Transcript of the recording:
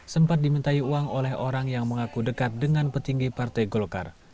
sempat dimintai uang oleh orang yang mengaku dekat dengan petinggi partai golkar